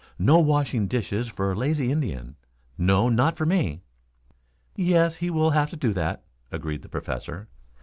"No washing dishes for a lazy Indian. No, not for me." "Yes, he will have to do that," agreed the Professor.